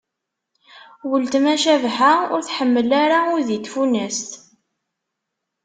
Ultma Cabḥa ur tḥemmel ara udi n tfunast.